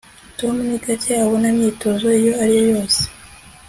tom ni gake abona imyitozo iyo ari yo yose